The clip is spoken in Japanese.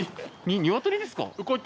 ニワトリですか？